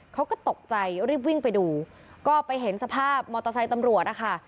เขาก็ตกใจรีบวิ่งไปดูก็ไปเห็นสภาพมอเตอร์ไซค์ตำรวจนะคะ